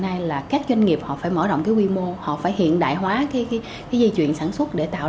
nay là các doanh nghiệp họ phải mở rộng cái quy mô họ phải hiện đại hóa cái dây chuyển sản xuất để tạo